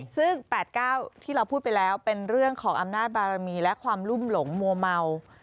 ซึ่ง๘๙ที่เราพูดไปแล้วเป็นเรื่องของอำนาจบารมีและความรุ่มหลงมัวเมา